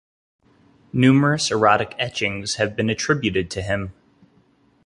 Numerous erotic etchings have been attributed to him.